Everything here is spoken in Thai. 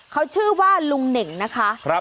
เขาชื่อว่าลุงเหน่งนะคะ